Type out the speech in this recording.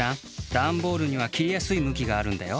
ダンボールにはきりやすいむきがあるんだよ。